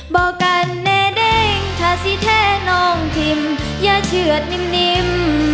บอกกันแน่เด้งถ้าสิแท้น้องทิมอย่าเชื่อดนิ่ม